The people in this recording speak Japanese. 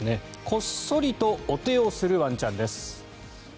こっそりとお手をするワンチャンです。